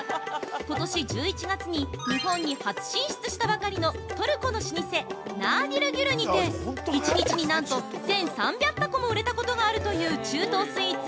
ことし１１月に日本に初進出したばかりのトルコの老舗「ナーディル・ギュル」にて１日になんと１３００箱も売れたことがあるという中東スイーツ。